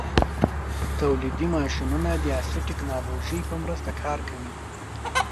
تولیدي ماشینونه د عصري ټېکنالوژۍ په مرسته کار کوي.